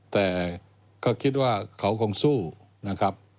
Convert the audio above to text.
แต่ก็คิดว่าเขาคงสู้นะครับ